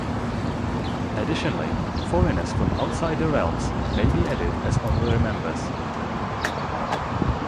Additionally, foreigners from outside the realms may be added as honorary members.